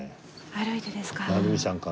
歩いてですか。